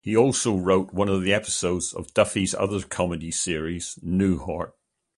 He also wrote one of the episodes of Duffy's other comedy series, "Newhart".